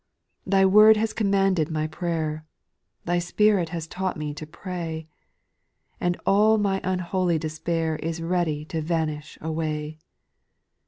) 6. Thy word has commanded my prayer, Thy Spirit has taught me to pray, And all my unholy despair Is ready to vanish away.